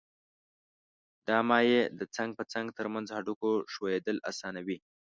دا مایع د څنګ په څنګ تر منځ هډوکو ښویېدل آسانوي.